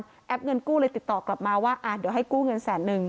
แอปเงินกู้เลยติดต่อกลับมาว่าเดี๋ยวให้กู้เงินแสนนึง